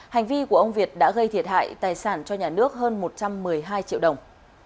hành vi của ông việt đã gây thiệt hại tài sản cho nhà nước hơn một trăm một mươi hai triệu đồng